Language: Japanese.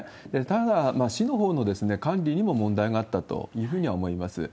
ただ、市のほうの管理にも問題があったというふうには思います。